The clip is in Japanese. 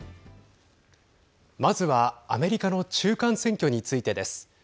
まずはアメリカの中間選挙についてです。